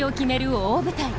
大舞台